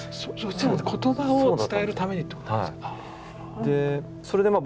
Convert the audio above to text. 言葉を伝えるためにってことですか？